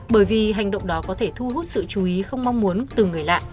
bởi vì hành động đó có thể thu hút sự chú ý không mong muốn từ người lạ